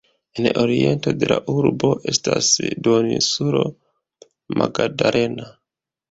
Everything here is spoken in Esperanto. En oriento de la urbo estas duoninsulo La Magdalena.